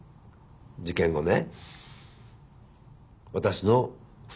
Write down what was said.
事件後ね。